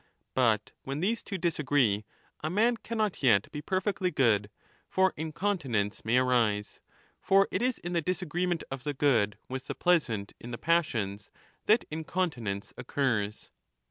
But when these two disagree a man cannot yet be perfectly good, for incontinence may arise ; for it is in the disagreement of the good with the pleasant in the passions that incontinence occurs.